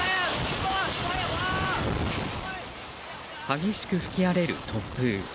激しく吹き荒れる突風。